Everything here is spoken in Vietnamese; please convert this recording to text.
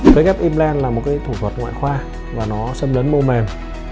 kế ghép implant là một cái thủ thuật ngoại khoa và nó sâm lấn mô mềm